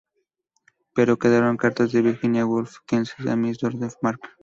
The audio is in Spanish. Pero quedaron cartas a Virginia Woolf, Kingsley Amis o Dorothy Parker.